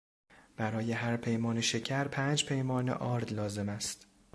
برای هرپیمانه شکر پنج پیمانه آرد لازم است.